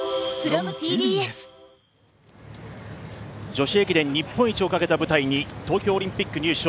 女子駅伝日本一をかけた舞台に東京オリンピック入賞